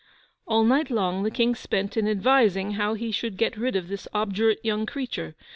All night long the King spent in advising how he should get rid of this obdurate young creature.